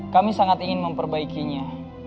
kami sangat ingin memperbaikinya